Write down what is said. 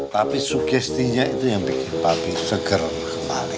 tapi sugestinya itu yang bikin papi segar kembali